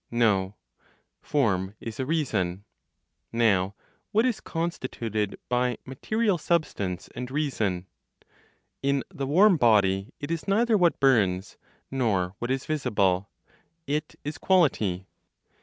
No: form is a reason. Now what is constituted by (material) substance, and reason? (In the warm body) it is neither what burns, nor what is visible; it is quality.